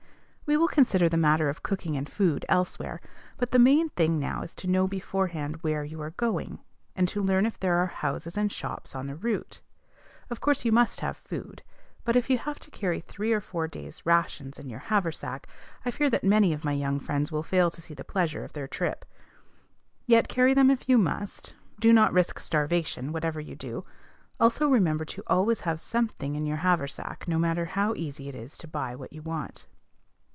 We will consider the matter of cooking and food elsewhere; but the main thing now is to know beforehand where you are going, and to learn if there are houses and shops on the route. Of course you must have food; but, if you have to carry three or four days' rations in your haversack, I fear that many of my young friends will fail to see the pleasure of their trip. Yet carry them if you must: do not risk starvation, whatever you do. Also remember to always have something in your haversack, no matter how easy it is to buy what you want.